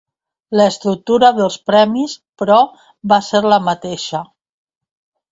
L'estructura dels premis, però, va ser la mateixa.